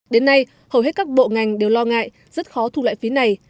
đến nay hầu hết các bộ ngành đều lo ngại rất khó thu lại phí này